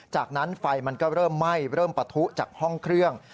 จากนั้นไฟมันก็เริ่มไหม้เริ่มปะทุจากห้องเครื่อง